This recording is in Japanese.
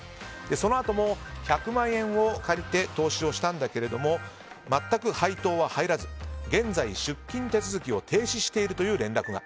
そのあとも１００万円を借りて投資をしたんだけども全く配当は入らず現在、出金手続きを停止しているという連絡が。